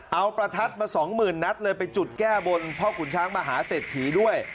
เอาประทัศน์มา๒๐๐๐๐นัดเลยไปจุดแก้บนพ่อขุนช้างมหาเสร็จถีด้วย